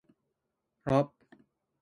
車屋と書いてカーショップと読む